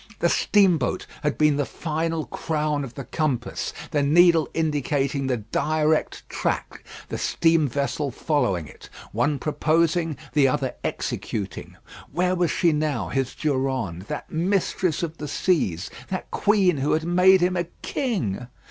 The steamboat had been the final crown of the compass; the needle indicating the direct track, the steam vessel following it. One proposing, the other executing. Where was she now, his Durande, that mistress of the seas, that queen who had made him a king?